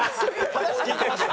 話聞いてました？